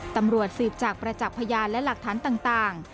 ตำรวจสืบจากประจักษ์พยานและหลักฐานต่าง